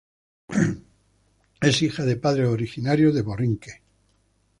Es hija de padres originarios de Puerto Rico.